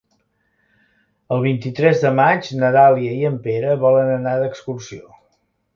El vint-i-tres de maig na Dàlia i en Pere volen anar d'excursió.